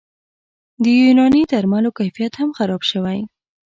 د یوناني درملو کیفیت هم خراب شوی